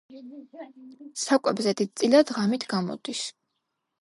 საკვებზე დიდწილად ღამით გამოდის.